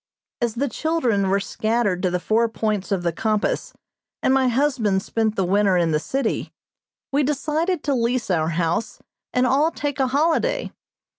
As the children were scattered to the four points of the compass and my husband spent the winter in the city, we decided to lease our house and all take a holiday.